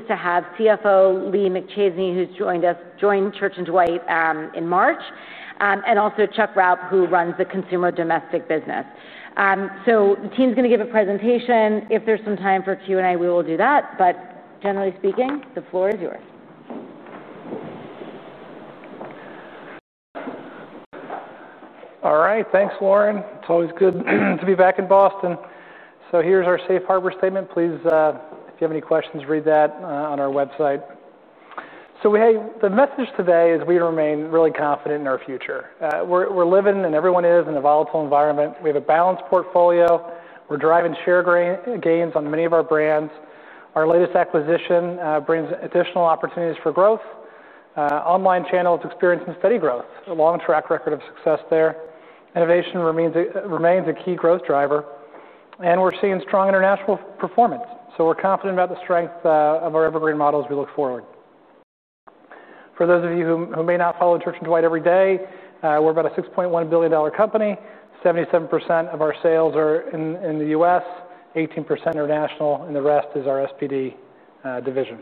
To have CFO Lee McChesney, who's joined us, joined Church & Dwight, in March, and also Chuck Raup, who runs the Consumer Domestic business. So the team's going to give a presentation. If there's some time for Q&A, we will do that. But generally speaking, the floor is yours. All right. Thanks, Lauren. It's always good to be back in Boston. So here's our Safe Harbor Statement. Please, if you have any questions, read that on our website. So we have the message today is we remain really confident in our future. We're living, and everyone is, in a volatile environment. We have a balanced portfolio. We're driving share gains on many of our brands. Our latest acquisition brings additional opportunities for growth. Online channels experiencing steady growth, a long track record of success there. Innovation remains a key growth driver. And we're seeing strong international performance. So we're confident about the strength of our Evergreen Models. We look forward. For those of you who may not follow Church & Dwight every day, we're about a $6.1 billion company. 77% of our sales are in the U.S., 18% international, and the rest is our SPD division.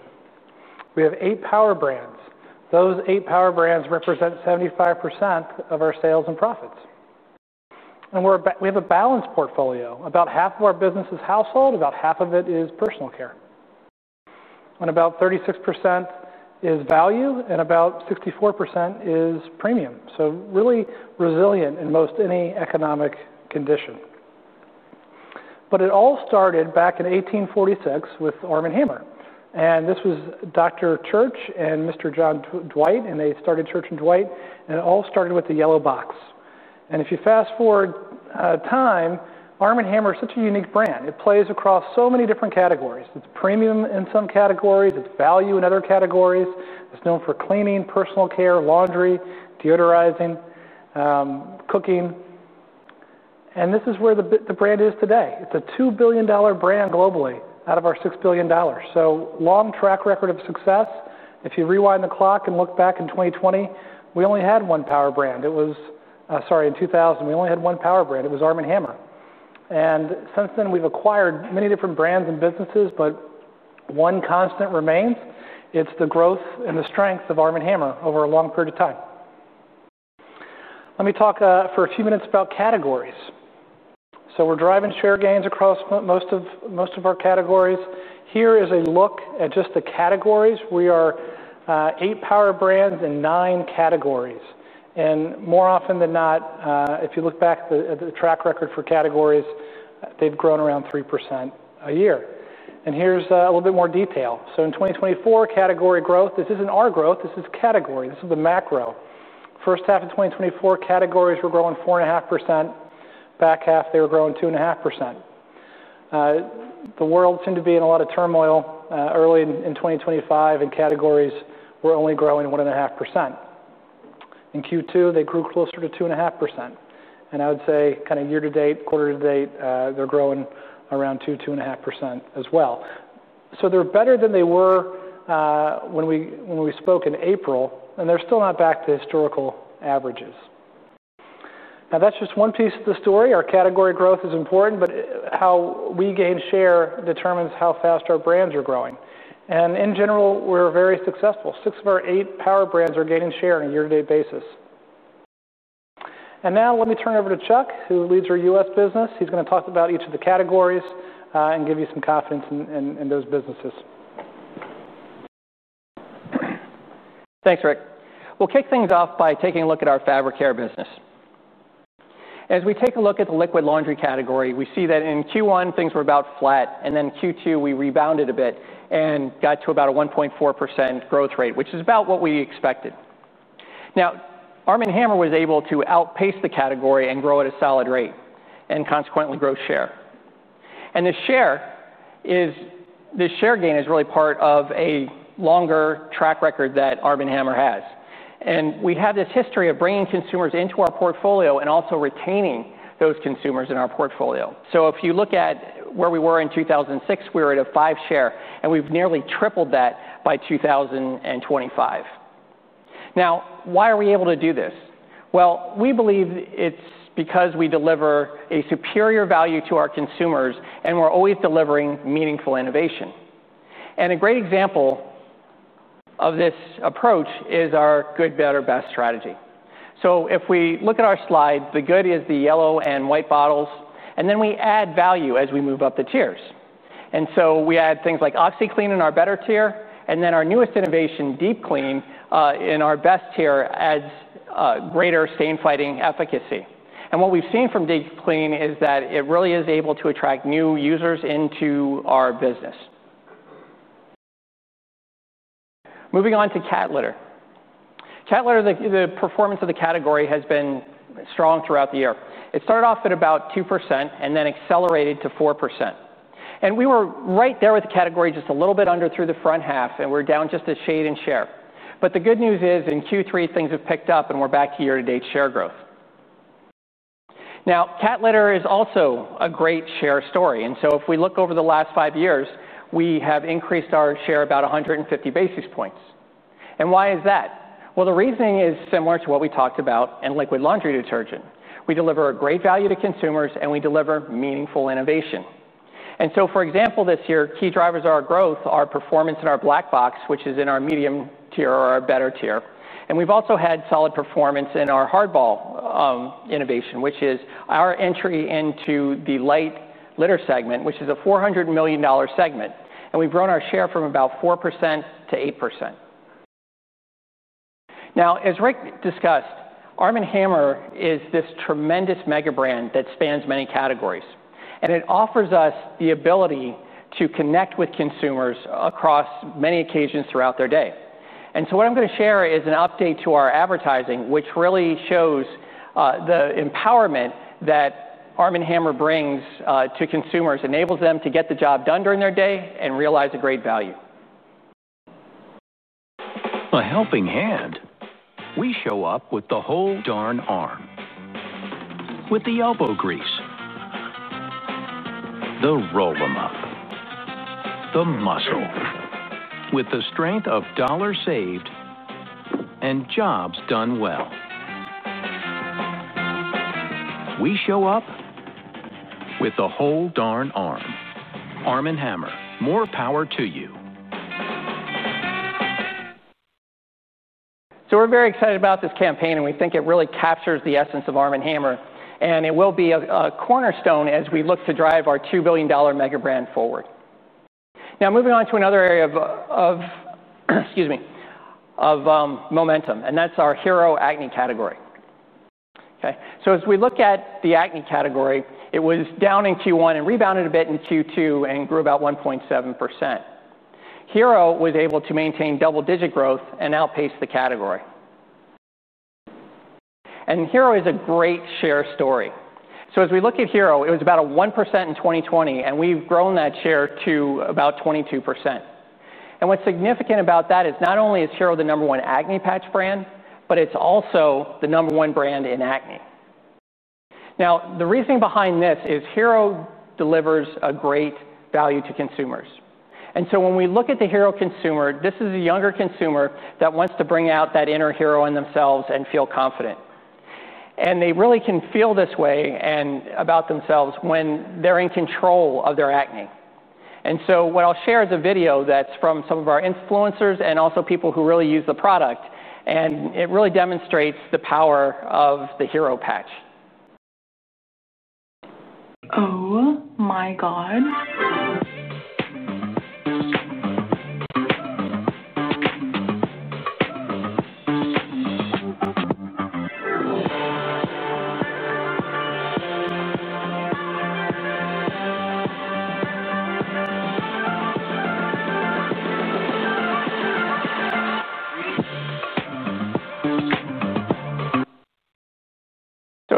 We have eight power brands. Those eight power brands represent 75% of our sales and profits. And we have a balanced portfolio. About half of our business is household. About half of it is personal care. And about 36% is value, and about 64% is premium. So really resilient in most any economic condition. But it all started back in eighteen forty-six with Arm & Hammer. And this was Dr. Church and Mr. John Dwight, and they started Church & Dwight. And it all started with the yellow box. And if you fast forward time, Arm & Hammer is such a unique brand. It plays across so many different categories. It's premium in some categories. It's value in other categories. It's known for cleaning, personal care, laundry, deodorizing, cooking, and this is where the, the brand is today. It's a $2 billion dollar brand globally, out of our $6 billion. So long track record of success. If you rewind the clock and look back in 2020, we only had one power brand. It was, sorry, in 2000, we only had one power brand. It was Arm & Hammer, and since then, we've acquired many different brands and businesses, but one constant remains. It's the growth and the strength of Arm & Hammer over a long period of time. Let me talk, for a few minutes about categories, so we're driving share gains across most of, most of our categories. Here is a look at just the categories. We are, eight power brands in nine categories. More often than not, if you look back at the track record for categories, they've grown around 3% a year. Here's a little bit more detail. So in 2024, category growth, this isn't our growth. This is category. This is the macro. First half of 2024, categories were growing 4.5%. Back half, they were growing 2.5%. The world seemed to be in a lot of turmoil early in 2025, and categories were only growing 1.5%. In Q2, they grew closer to 2.5%. I would say, kinda year to date, quarter to date, they're growing around 2%-2.5% as well. So they're better than they were, when we spoke in April, and they're still not back to historical averages. Now, that's just one piece of the story. Our category growth is important, but how we gain share determines how fast our brands are growing. And in general, we're very successful. Six of our eight power brands are gaining share on a year-to-date basis. And now, let me turn over to Chuck, who leads our U.S. business. He's gonna talk about each of the categories, and give you some confidence in those businesses. Thanks, Rick. We'll kick things off by taking a look at our fabric care business. As we take a look at the liquid laundry category, we see that in Q1, things were about flat. Then Q2, we rebounded a bit and got to about a 1.4% growth rate, which is about what we expected. Now, Arm & Hammer was able to outpace the category and grow at a solid rate and consequently grow share. The share is, the share gain is really part of a longer track record that Arm & Hammer has. We have this history of bringing consumers into our portfolio and also retaining those consumers in our portfolio. So if you look at where we were in 2006, we were at a five share, and we've nearly tripled that by 2025. Now, why are we able to do this? Well, we believe it's because we deliver a superior value to our consumers, and we're always delivering meaningful innovation. And a great example of this approach is our good, better, best strategy. So if we look at our slide, the good is the yellow and white bottles, and then we add value as we move up the tiers. And so we add things like OxiClean in our better tier, and then our newest innovation, Deep Clean, in our best tier, adds greater stain fighting efficacy. And what we've seen from Deep Clean is that it really is able to attract new users into our business. Moving on to cat litter. Cat litter, the performance of the category has been strong throughout the year. It started off at about 2% and then accelerated to 4%. And we were right there with the category, just a little bit under through the front half, and we're down just a shade in share. But the good news is in Q3, things have picked up, and we're back to year-to-date share growth. Now, cat litter is also a great share story. And so if we look over the last five years, we have increased our share about 150 basis points. And why is that? Well, the reasoning is similar to what we talked about in liquid laundry detergent. We deliver a great value to consumers, and we deliver meaningful innovation. And so, for example, this year, key drivers of our growth are performance in our black box, which is in our medium tier or our better tier. And we've also had solid performance in our HardBall innovation, which is our entry into the Light Litter segment, which is a $400 million segment. And we've grown our share from about 4% to 8%. Now, as Rick discussed, Arm & Hammer is this tremendous mega brand that spans many categories. And it offers us the ability to connect with consumers across many occasions throughout their day. And so what I'm gonna share is an update to our advertising, which really shows the empowerment that Arm & Hammer brings to consumers, enables them to get the job done during their day and realize a great value. A helping hand, we show up with the whole darn arm. With the elbow grease. The roll 'em up. The muscle. With the strength of dollars saved and jobs done well. We show up with the whole darn arm. Arm & Hammer, more power to you. So we're very excited about this campaign, and we think it really captures the essence of Arm & Hammer. And it will be a cornerstone as we look to drive our $2 billion mega brand forward. Now, moving on to another area of momentum, and that's our Hero acne category. So as we look at the acne category, it was down in Q1 and rebounded a bit in Q2 and grew about 1.7%. Hero was able to maintain double digit growth and outpace the category. And Hero is a great share story. So as we look at Hero, it was about 1% in 2020, and we've grown that share to about 22%. And what's significant about that is not only is Hero the number one acne patch brand, but it's also the number one brand in acne. Now, the reasoning behind this is Hero delivers a great value to consumers. And so when we look at the Hero consumer, this is a younger consumer that wants to bring out that inner Hero in themselves and feel confident. And they really can feel this way and about themselves when they're in control of their acne. And so what I'll share is a video that's from some of our influencers and also people who really use the product. And it really demonstrates the power of the Hero patch. Oh my God!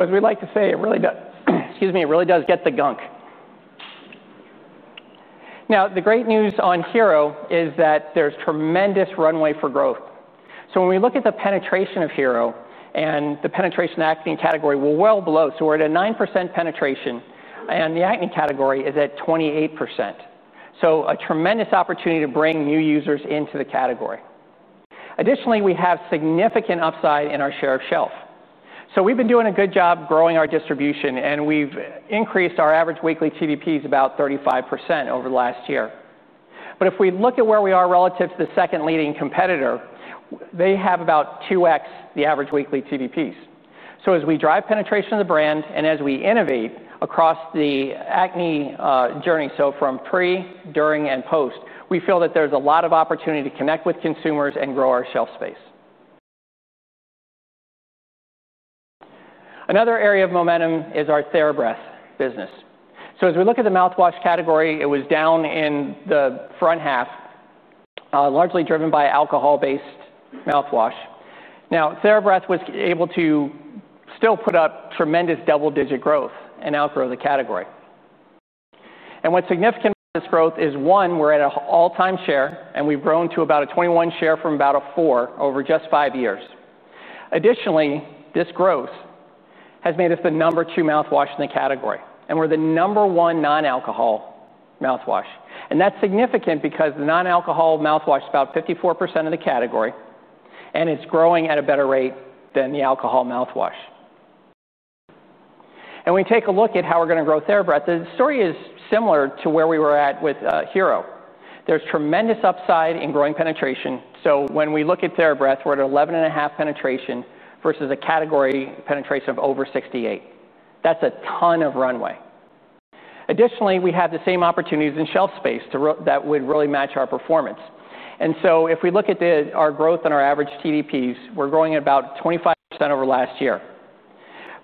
As we like to say, it really does, excuse me, it really does get the gunk. Now, the great news on Hero is that there's tremendous runway for growth. When we look at the penetration of Hero and the penetration acne category, we're well below. We're at a 9% penetration, and the acne category is at 28%. A tremendous opportunity to bring new users into the category. Additionally, we have significant upside in our share of shelf. We've been doing a good job growing our distribution, and we've increased our average weekly TDPs about 35% over the last year. If we look at where we are relative to the second leading competitor, they have about 2x the average weekly TDPs. As we drive penetration of the brand and as we innovate across the acne journey, so from pre, during, and post, we feel that there's a lot of opportunity to connect with consumers and grow our shelf space. Another area of momentum is our TheraBreath business. As we look at the mouthwash category, it was down in the front half, largely driven by alcohol-based mouthwash. Now, TheraBreath was able to still put up tremendous double-digit growth and outgrow the category. And what's significant about this growth is, one, we're at an all-time share, and we've grown to about a 21% share from about a 4% over just five years. Additionally, this growth has made us the number two mouthwash in the category, and we're the number one non-alcohol mouthwash. And that's significant because the non-alcohol mouthwash is about 54% of the category, and it's growing at a better rate than the alcohol mouthwash. And when you take a look at how we're gonna grow TheraBreath, the story is similar to where we were at with Hero. There's tremendous upside in growing penetration. So when we look at TheraBreath, we're at 11.5 penetration versus a category penetration of over 68. That's a ton of runway. Additionally, we have the same opportunities in shelf space to grow that would really match our performance. And so if we look at our growth and our average TDPs, we're growing at about 25% over last year.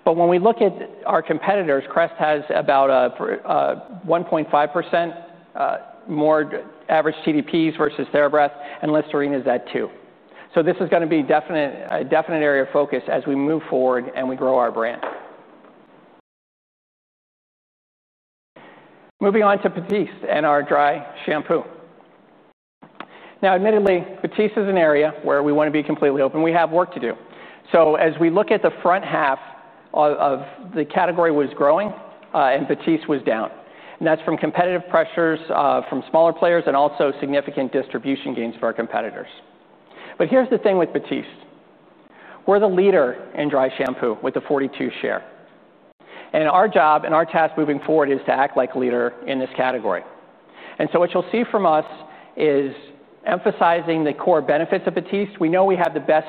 But when we look at our competitors, Crest has about a 1.5% more average TDPs versus TheraBreath, and Listerine is at 2. So this is gonna be definite, a definite area of focus as we move forward and we grow our brand. Moving on to Batiste and our dry shampoo. Now, admittedly, Batiste is an area where we wanna be completely open. We have work to do. So as we look at the front half of the category was growing, and Batiste was down. And that's from competitive pressures, from smaller players and also significant distribution gains for our competitors. But here's the thing with Batiste. We're the leader in dry shampoo with a 42% share. And our job and our task moving forward is to act like a leader in this category. And so what you'll see from us is emphasizing the core benefits of Batiste. We know we have the best,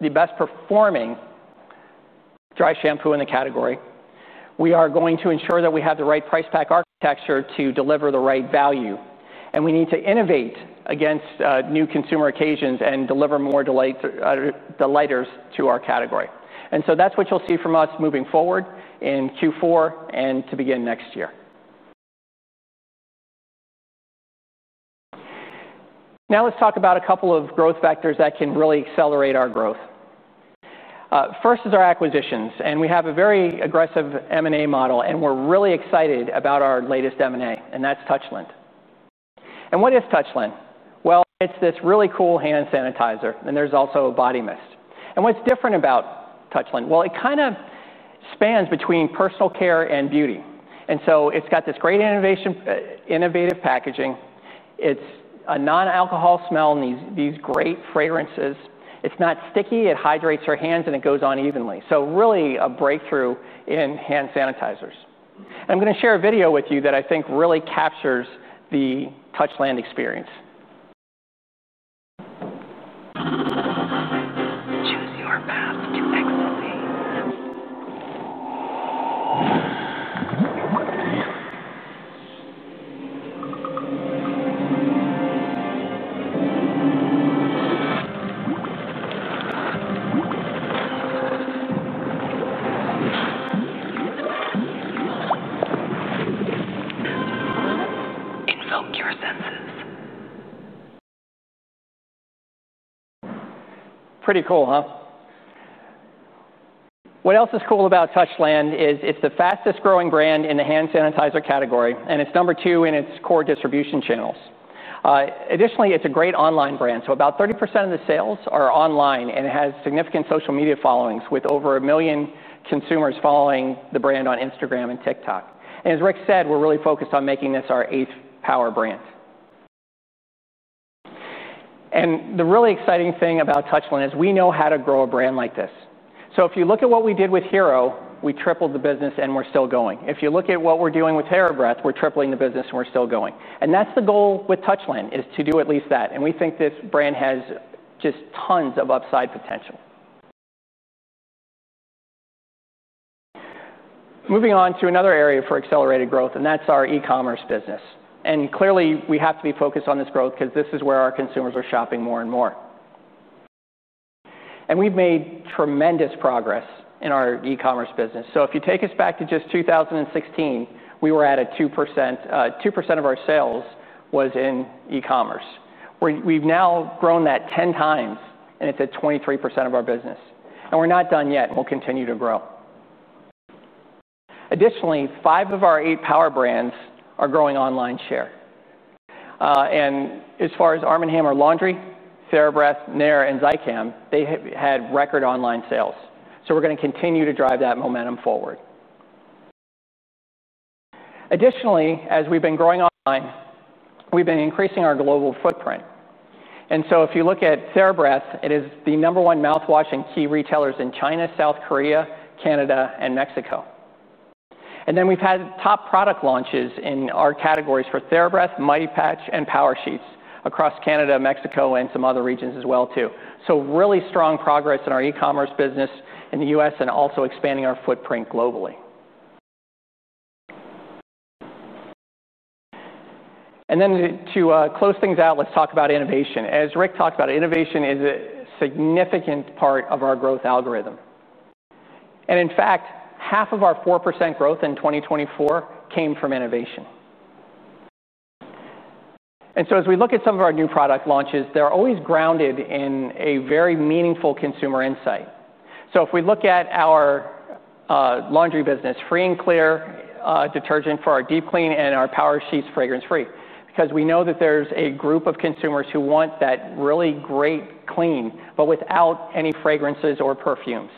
the best performing dry shampoo in the category. We are going to ensure that we have the right price pack architecture to deliver the right value. And we need to innovate against new consumer occasions and deliver more delight, delighters to our category. And so that's what you'll see from us moving forward in Q4 and to begin next year. Now, let's talk about a couple of growth factors that can really accelerate our growth. First is our acquisitions. And we have a very aggressive M&A model, and we're really excited about our latest M&A, and that's Touchland. And what is Touchland? Well, it's this really cool hand sanitizer, and there's also a body mist. And what's different about Touchland? Well, it kinda spans between personal care and beauty. And so it's got this great innovation, innovative packaging. It's a non-alcohol smell and these great fragrances. It's not sticky. It hydrates our hands, and it goes on evenly. So really a breakthrough in hand sanitizers. And I'm gonna share a video with you that I think really captures the Touchland experience. Choose your path to excellence. Invoke your senses. Pretty cool, huh? What else is cool about Touchland is it's the fastest growing brand in the hand sanitizer category, and it's number two in its core distribution channels. Additionally, it's a great online brand. So about 30% of the sales are online, and it has significant social media followings with over a million consumers following the brand on Instagram and TikTok. And as Rick said, we're really focused on making this our eighth Power Brand. And the really exciting thing about Touchland is we know how to grow a brand like this. So if you look at what we did with Hero, we tripled the business, and we're still going. If you look at what we're doing with TheraBreath, we're tripling the business, and we're still going. And that's the goal with Touchland, is to do at least that. We think this brand has just tons of upside potential. Moving on to another area for accelerated growth, and that's our e-commerce business. Clearly, we have to be focused on this growth 'cause this is where our consumers are shopping more and more. We've made tremendous progress in our e-commerce business. If you take us back to just two thousand and sixteen, we were at a 2%, 2% of our sales was in e-commerce. We've now grown that ten times, and it's at 23% of our business. We're not done yet. We'll continue to grow. Additionally, five of our eight power brands are growing online share. And as far as Arm & Hammer Laundry, TheraBreath, Nair, and Zicam, they had record online sales. We're gonna continue to drive that momentum forward. Additionally, as we've been growing online, we've been increasing our global footprint. And so if you look at TheraBreath, it is the number one mouthwash in key retailers in China, South Korea, Canada, and Mexico. And then we've had top product launches in our categories for TheraBreath, Mighty Patch, and Power Sheets across Canada, Mexico, and some other regions as well too. So really strong progress in our e-commerce business in the U.S. and also expanding our footprint globally. And then, to close things out, let's talk about innovation. As Rick talked about, innovation is a significant part of our growth algorithm. And in fact, half of our 4% growth in 2024 came from innovation. And so as we look at some of our new product launches, they're always grounded in a very meaningful consumer insight. So if we look at our laundry business, free and clear detergent for our Deep Clean and our Power Sheets fragrance-free, because we know that there's a group of consumers who want that really great clean but without any fragrances or perfumes.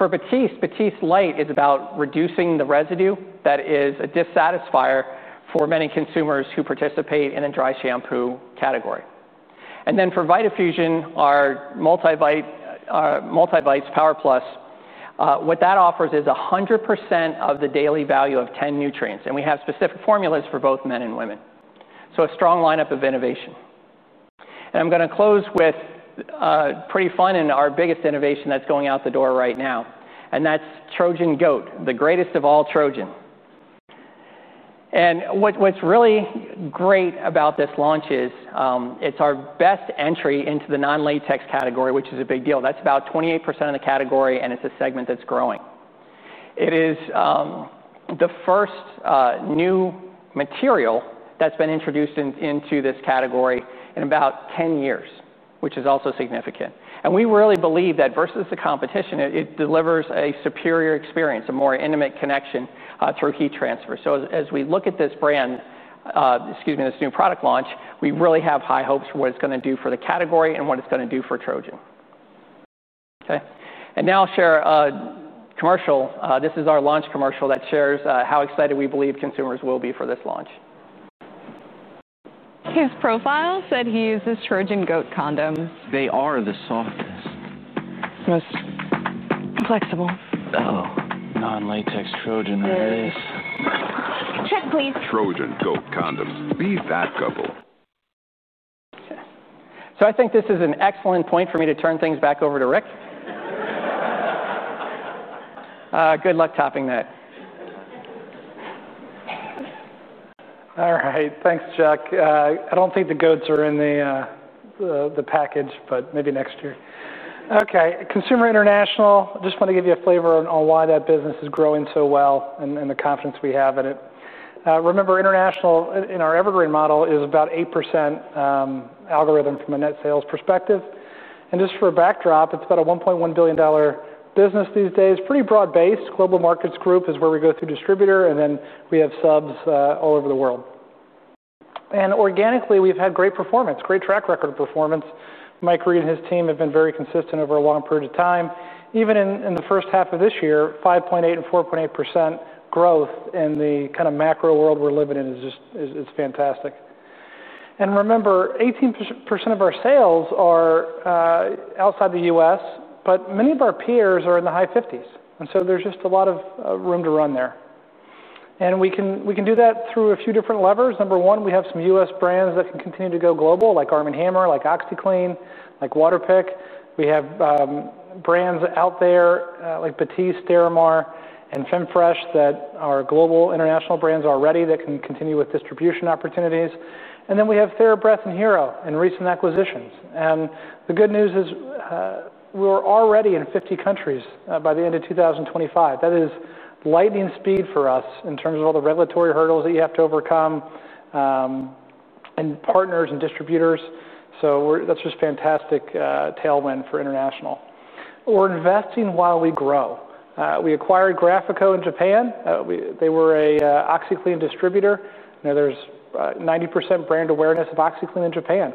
For Batiste, Batiste Light is about reducing the residue that is a dissatisfier for many consumers who participate in the dry shampoo category. And then for Vitafusion, our MultiVites Power Plus, what that offers is 100% of the daily value of 10 nutrients. And we have specific formulas for both men and women. So a strong lineup of innovation. And I'm gonna close with pretty fun and our biggest innovation that's going out the door right now. And that's Trojan G.O.A.T., the greatest of all Trojans. And what's really great about this launch is, it's our best entry into the non-latex category, which is a big deal. That's about 28% of the category, and it's a segment that's growing. It is the first new material that's been introduced into this category in about 10 years, which is also significant. And we really believe that versus the competition, it delivers a superior experience, a more intimate connection, through heat transfer. So as we look at this brand, excuse me, this new product launch, we really have high hopes for what it's gonna do for the category and what it's gonna do for Trojan. Okay. And now I'll share a commercial. This is our launch commercial that shares how excited we believe consumers will be for this launch. His profile said he uses Trojan G.O.A.T. condoms. They are the softest. Most flexible. Oh, non-latex Trojan that is. Check, please. Trojan G.O.A.T. condoms. Be that couple. Okay. So I think this is an excellent point for me to turn things back over to Rick. Good luck topping that. All right. Thanks, Chuck. I don't think the goats are in the package, but maybe next year. Okay. Consumer International, I just wanna give you a flavor on why that business is growing so well and the confidence we have in it. Remember, International in our Evergreen Model is about 8%, allotment from a net sales perspective. And just for a backdrop, it's about a $1.1 billion business these days. Pretty broad-based. Global Markets Group is where we go through distributor, and then we have subs, all over the world. And organically, we've had great performance, great track record of performance. Mike Read and his team have been very consistent over a long period of time. Even in the first half of this year, 5.8% and 4.8% growth in the kinda macro world we're living in is just fantastic. And remember, 18% of our sales are outside the U.S., but many of our peers are in the high fifties. And so there's just a lot of room to run there. And we can do that through a few different levers. Number one, we have some U.S. brands that can continue to go global, like Arm & Hammer, like OxiClean, like Waterpik. We have brands out there, like Batiste, Stérimar, and Femfresh that are global international brands already that can continue with distribution opportunities. And then we have TheraBreath and Hero and recent acquisitions. And the good news is, we're already in 50 countries by the end of 2025. That is lightning speed for us in terms of all the regulatory hurdles that you have to overcome, and partners and distributors. We're, that's just fantastic tailwind for International. We're investing while we grow. We acquired Graphico in Japan. We, they were an OxiClean distributor. Now there's 90% brand awareness of OxiClean in Japan.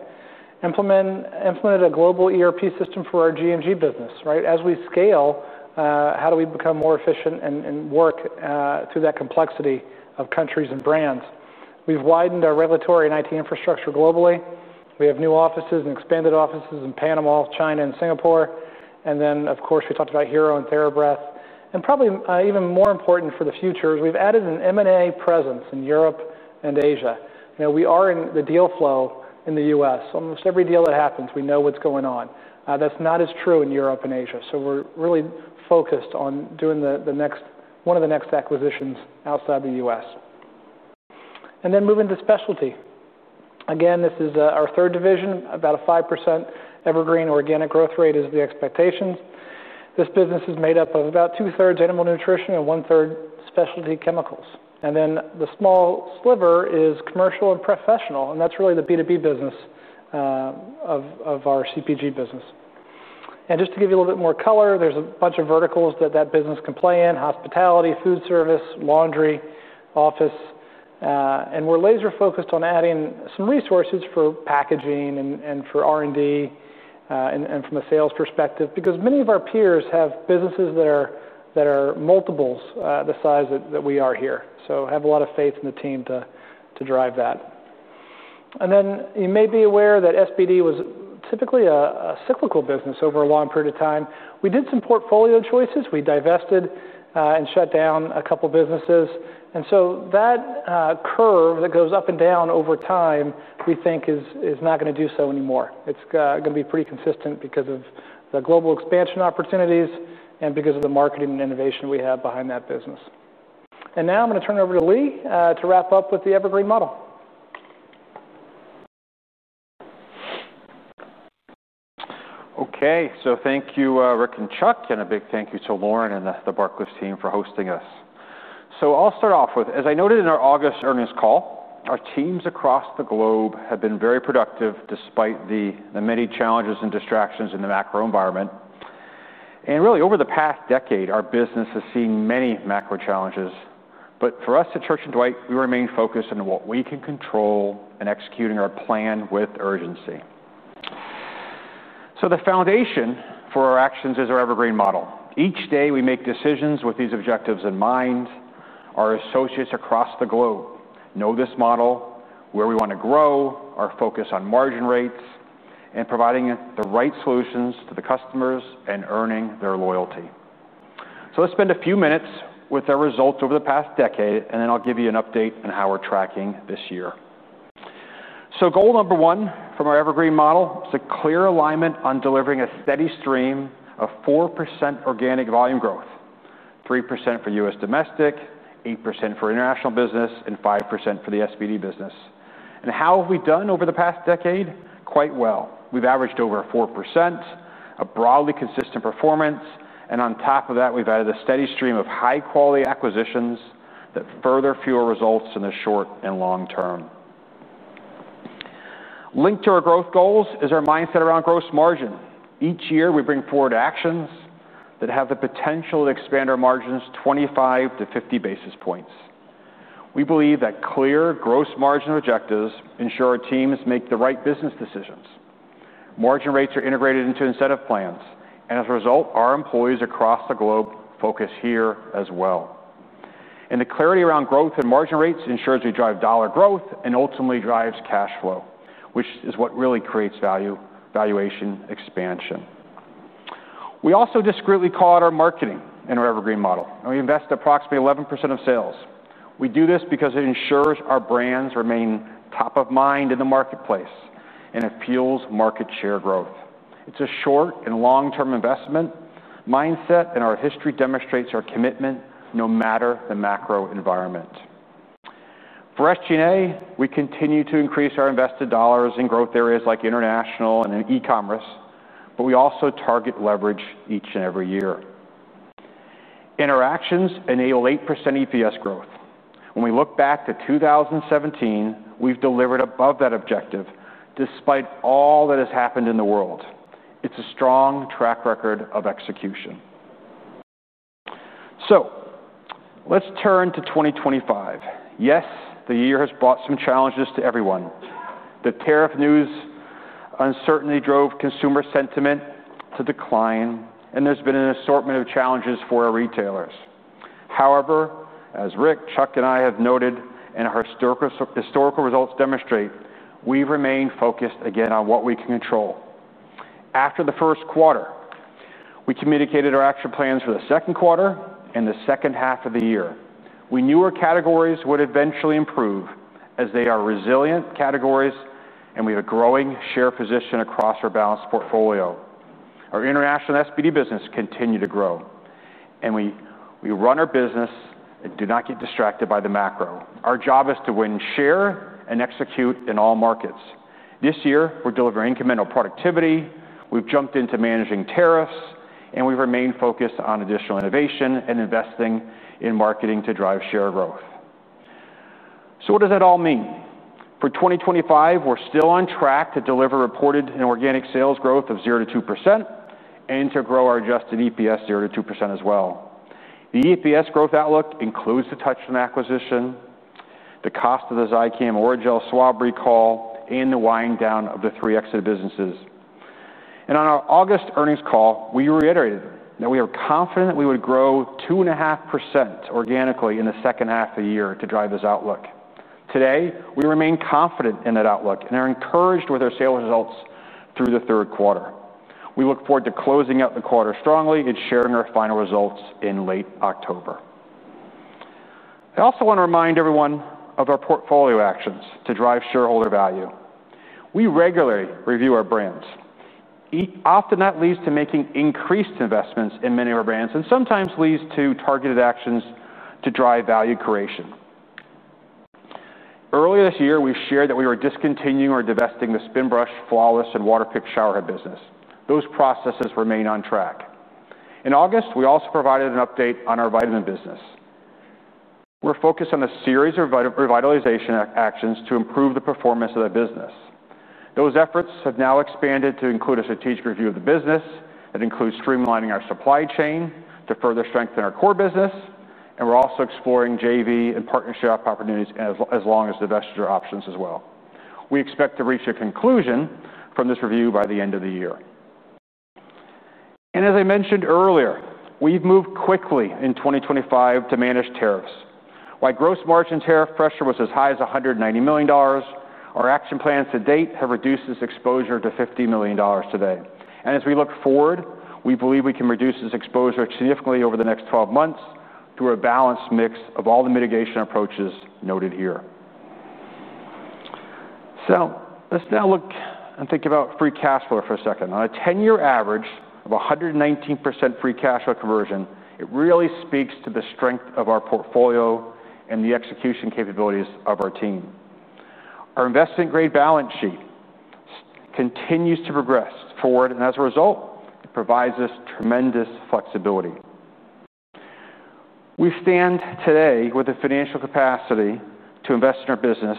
Implemented a global ERP system for our GMG business, right? As we scale, how do we become more efficient and work through that complexity of countries and brands? We've widened our regulatory and IT infrastructure globally. We have new offices and expanded offices in Panama, China, and Singapore. Then, of course, we talked about Hero and TheraBreath. Probably, even more important for the future is we've added an M&A presence in Europe and Asia. You know, we are in the deal flow in the U.S. Almost every deal that happens, we know what's going on. That's not as true in Europe and Asia. So we're really focused on doing the next, one of the next acquisitions outside the U.S. And then moving to specialty. Again, this is our third division. About a 5% evergreen organic growth rate is the expectations. This business is made up of about two-thirds animal nutrition and one-third specialty chemicals. And then the small sliver is commercial and professional. And that's really the B2B business, of our CPG business. And just to give you a little bit more color, there's a bunch of verticals that that business can play in: hospitality, food service, laundry, office. And we're laser-focused on adding some resources for packaging and for R&D and from a sales perspective, because many of our peers have businesses that are multiples the size that we are here. So we have a lot of faith in the team to drive that. And then you may be aware that SPD was typically a cyclical business over a long period of time. We did some portfolio choices. We divested and shut down a couple businesses. And so that curve that goes up and down over time, we think is not gonna do so anymore. It's gonna be pretty consistent because of the global expansion opportunities and because of the marketing and innovation we have behind that business. And now I'm gonna turn it over to Lee to wrap up with the Evergreen Model. Okay. So thank you, Rick and Chuck, and a big thank you to Lauren and the Barclays team for hosting us. So I'll start off with, as I noted in our August earnings call, our teams across the globe have been very productive despite the many challenges and distractions in the macro environment. And really, over the past decade, our business has seen many macro challenges. But for us at Church & Dwight, we remain focused on what we can control and executing our plan with urgency. So the foundation for our actions is our Evergreen Model. Each day, we make decisions with these objectives in mind. Our associates across the globe know this model, where we wanna grow, our focus on margin rates, and providing the right solutions to the customers and earning their loyalty. So let's spend a few minutes with our results over the past decade, and then I'll give you an update on how we're tracking this year. Goal number one from our Evergreen Model is a clear alignment on delivering a steady stream of 4% organic volume growth, 3% for U.S. domestic, 8% for international business, and 5% for the SPD business. And how have we done over the past decade? Quite well. We've averaged over 4%, a broadly consistent performance. And on top of that, we've added a steady stream of high-quality acquisitions that further fuel results in the short and long term. Linked to our growth goals is our mindset around gross margin. Each year, we bring forward actions that have the potential to expand our margins 25-50 basis points. We believe that clear gross margin objectives ensure our teams make the right business decisions. Margin rates are integrated into incentive plans, and as a result, our employees across the globe focus here as well, and the clarity around growth and margin rates ensures we drive dollar growth and ultimately drives cash flow, which is what really creates value, valuation, expansion. We also discreetly call out our marketing in our Evergreen Model, and we invest approximately 11% of sales. We do this because it ensures our brands remain top of mind in the marketplace, and it fuels market share growth. It's a short- and long-term investment mindset, and our history demonstrates our commitment no matter the macro environment. For SG&A, we continue to increase our invested dollars in growth areas like international and in e-commerce, but we also target leverage each and every year. Interactions enable 8% EPS growth. When we look back to 2017, we've delivered above that objective despite all that has happened in the world. It's a strong track record of execution. So let's turn to 2025. Yes, the year has brought some challenges to everyone. The tariff news uncertainty drove consumer sentiment to decline, and there's been an assortment of challenges for our retailers. However, as Rick, Chuck, and I have noted, and our historical results demonstrate, we've remained focused again on what we can control. After the first quarter, we communicated our action plans for the second quarter and the second half of the year. We knew our categories would eventually improve as they are resilient categories, and we have a growing share position across our balanced portfolio. Our international SPD business continued to grow, and we run our business and do not get distracted by the macro. Our job is to win share and execute in all markets. This year, we're delivering incremental productivity. We've jumped into managing tariffs, and we've remained focused on additional innovation and investing in marketing to drive share growth. So what does that all mean? For twenty twenty-five, we're still on track to deliver reported and organic sales growth of 0%-2% and to grow our adjusted EPS 0%-2% as well. The EPS growth outlook includes the Touchland acquisition, the cost of the Zicam Orajel swab recall, and the wind down of the three exit businesses. On our August earnings call, we reiterated that we are confident that we would grow 2.5% organically in the second half of the year to drive this outlook. Today, we remain confident in that outlook and are encouraged with our sales results through the third quarter. We look forward to closing out the quarter strongly and sharing our final results in late October. I also wanna remind everyone of our portfolio actions to drive shareholder value. We regularly review our brands. That often leads to making increased investments in many of our brands and sometimes leads to targeted actions to drive value creation. Earlier this year, we shared that we were discontinuing or divesting the Spinbrush, Flawless, and Waterpik showerhead business. Those processes remain on track. In August, we also provided an update on our vitamin business. We're focused on a series of revitalization actions to improve the performance of that business. Those efforts have now expanded to include a strategic review of the business that includes streamlining our supply chain to further strengthen our core business, and we're also exploring JV and partnership opportunities as well as investor options as well. We expect to reach a conclusion from this review by the end of the year, and as I mentioned earlier, we've moved quickly in 2025 to manage tariffs. While gross margin tariff pressure was as high as $190 million, our action plans to date have reduced this exposure to $50 million today. And as we look forward, we believe we can reduce this exposure significantly over the next twelve months through a balanced mix of all the mitigation approaches noted here. Let's now look and think about free cash flow for a second. On a 10-year average of 119% free cash flow conversion, it really speaks to the strength of our portfolio and the execution capabilities of our team. Our investment-grade balance sheet continues to progress forward, and as a result, it provides us tremendous flexibility. We stand today with the financial capacity to invest in our business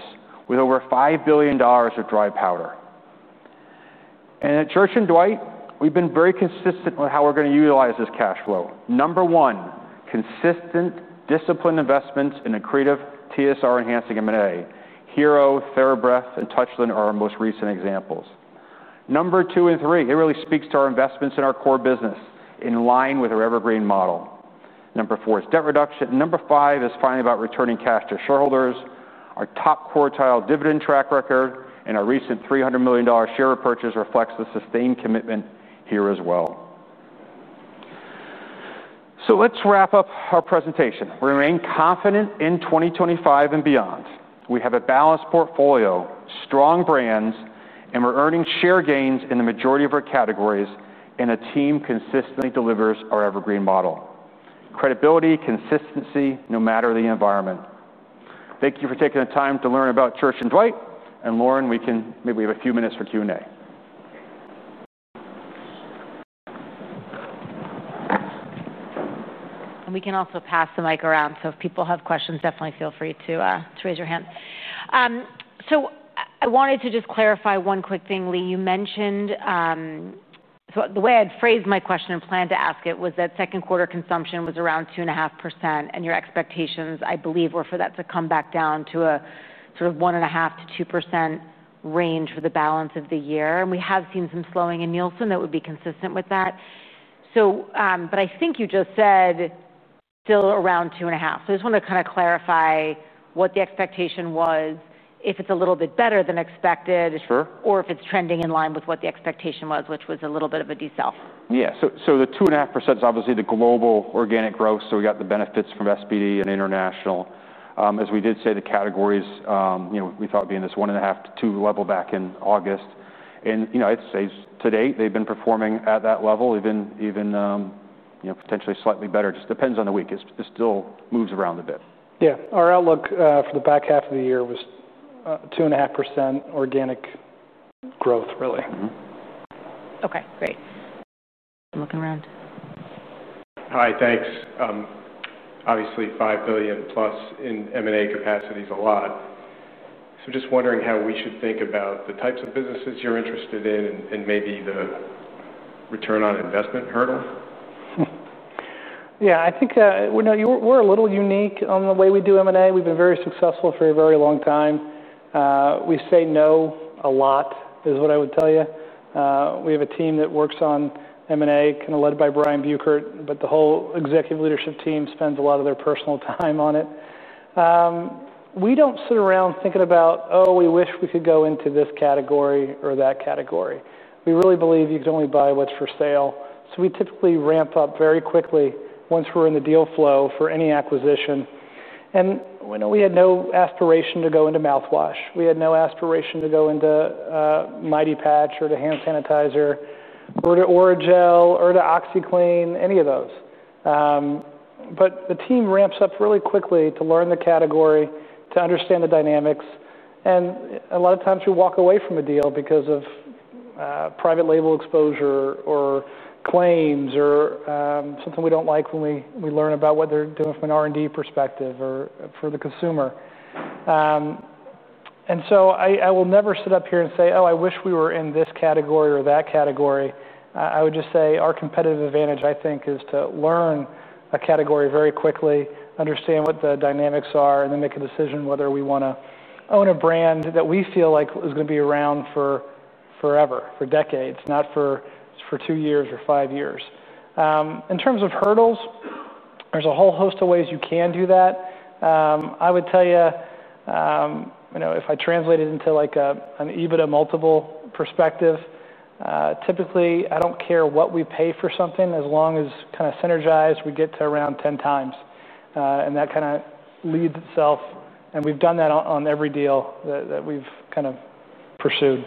with over $5 billion of dry powder. And at Church & Dwight, we've been very consistent with how we're gonna utilize this cash flow. Number 1, consistent, disciplined investments in a creative TSR-enhancing M&A. Hero, TheraBreath, and Touchland are our most recent examples. Number 2 and 3, it really speaks to our investments in our core business in line with our Evergreen Model. Number 4 is debt reduction. Number 5 is finally about returning cash to shareholders. Our top quartile dividend track record and our recent $300 million share purchase reflects the sustained commitment here as well. So let's wrap up our presentation. We remain confident in 2025 and beyond. We have a balanced portfolio, strong brands, and we're earning share gains in the majority of our categories and a team consistently delivers our Evergreen Model. Credibility, consistency. No matter the environment. Thank you for taking the time to learn about Church & Dwight. And Lauren, we can maybe have a few minutes for Q&A. And we can also pass the mic around. So if people have questions, definitely feel free to raise your hand. So I wanted to just clarify one quick thing, Lee. You mentioned, so the way I'd phrased my question and planned to ask it was that second quarter consumption was around 2.5%, and your expectations, I believe, were for that to come back down to a sort of 1.5%-2% range for the balance of the year. And we have seen some slowing in Nielsen that would be consistent with that. So, but I think you just said still around 2.5%. So I just wanna kinda clarify what the expectation was, if it's a little bit better than expected. Sure. Or if it's trending in line with what the expectation was, which was a little bit of a disinflation. Yeah. So, so the 2.5% is obviously the global organic growth, so we got the benefits from SPD and International, as we did say, the categories, you know, we thought being this 1.5%-2% level back in August, and you know, I'd say to date, they've been performing at that level, even, even, you know, potentially slightly better. Just depends on the week. It still moves around a bit. Yeah. Our outlook for the back half of the year was 2.5% organic growth, really. Mm-hmm. Okay. Great. Looking around. Hi. Thanks. Obviously, five billion plus in M&A capacity's a lot, so just wondering how we should think about the types of businesses you're interested in and, and maybe the return on investment hurdle. Yeah. I think, well, no, we're a little unique on the way we do M&A. We've been very successful for a very long time. We say no a lot is what I would tell you. We have a team that works on M&A kinda led by Brian Buchert, but the whole executive leadership team spends a lot of their personal time on it. We don't sit around thinking about, "Oh, we wish we could go into this category or that category." We really believe you can only buy what's for sale. So we typically ramp up very quickly once we're in the deal flow for any acquisition. And, you know, we had no aspiration to go into mouthwash. We had no aspiration to go into Mighty Patch or to hand sanitizer or to Orajel or to OxiClean, any of those. But the team ramps up really quickly to learn the category, to understand the dynamics, and a lot of times we walk away from a deal because of private label exposure or claims or something we don't like when we learn about what they're doing from an R&D perspective or for the consumer, and so I will never sit up here and say, "Oh, I wish we were in this category or that category." I would just say our competitive advantage, I think, is to learn a category very quickly, understand what the dynamics are, and then make a decision whether we wanna own a brand that we feel like is gonna be around for forever, for decades, not for two years or five years. In terms of hurdles, there's a whole host of ways you can do that. I would tell you, you know, if I translate it into like an EBITDA multiple perspective, typically, I don't care what we pay for something as long as kinda synergized we get to around ten times, and that kinda lends itself, and we've done that on every deal that we've kind of pursued.